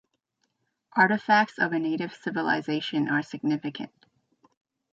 Artifacts of native civilization are significant.